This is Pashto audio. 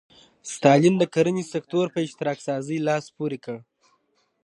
ستالین د کرنې سکتور په اشتراکي سازۍ لاس پورې کړ.